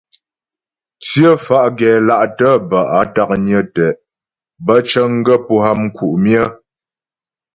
Tsyə fá́ gɛla'tə bə́ á taknyə tɛ', bə́ cəŋgaə́ pə́ ha mku' myə.